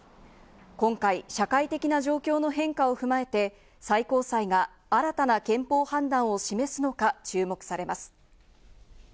今回、社会的な状況の変化を踏まえて、最高裁が新たな憲法判断を示すのか注目されます。